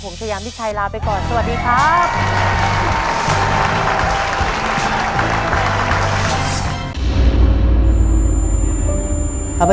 ผมชายามิชัยลาไปก่อนสวัสดีครับ